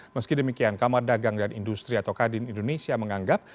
meski demikian kamar dagang dan industri atau kadin indonesia menganggap